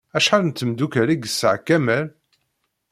Acḥal n tmeddukal ay yesɛa Kamal?